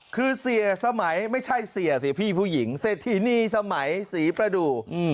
คือเสียสมัยไม่ใช่เสียสิพี่ผู้หญิงเศรษฐินีสมัยศรีประดูก